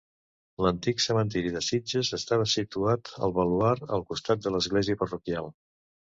L'antic cementiri de Sitges estava situat al baluard, al costat de l'església parroquial.